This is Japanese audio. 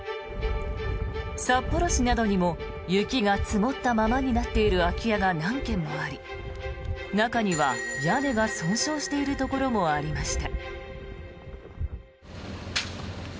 札幌市などにも雪が積もったままになっている空き家が何軒もあり中には屋根が損傷しているところもありました。